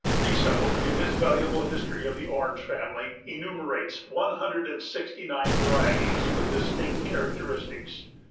Risso, in his valuable history of the Orange family, enumerates one hundred and sixty nine varieties with distinct characteristics.